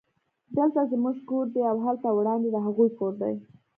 دلته زموږ کور دی او هلته وړاندې د هغوی کور دی